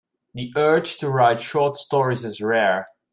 The urge to write short stories is rare.